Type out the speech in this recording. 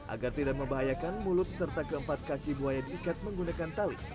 agar tidak membahayakan mulut serta keempat kaki buaya diikat menggunakan tali